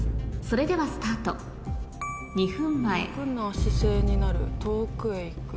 それではスタート２分前「楽な姿勢になる」「遠くへ行く」。